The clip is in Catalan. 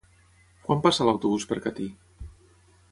Quan passa l'autobús per Catí?